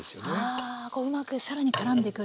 ああこううまく更にからんでくる。